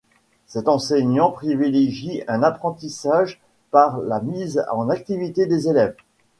Cet enseignement privilégie un apprentissage par la mise en activité des élèves.